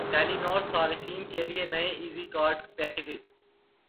ٹیلی نار صارفین کے لیے نئے ایزی کارڈ پیکجز